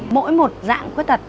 mỗi một dạng khuyết tật